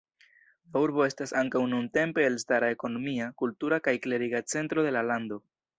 La urbo estas ankaŭ nuntempe elstara ekonomia, kultura kaj kleriga centro de la lando.